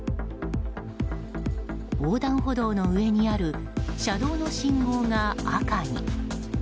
横断歩道の上にある車道の信号が赤に。